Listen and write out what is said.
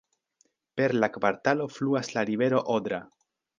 Per la kvartalo fluas la rivero Odra.